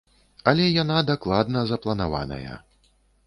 Але яна дакладна запланаваная.